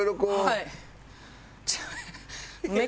はい。